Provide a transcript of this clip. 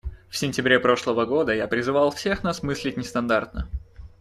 В сентябре прошлого года я призывал всех нас мыслить нестандартно.